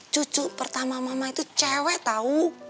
cucu pertama mama itu cewek tahu